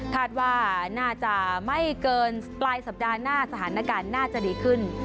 คาดว่าน่าจะไม่เกินปลายสัปดาห์หน้าสถานการณ์น่าจะดีขึ้น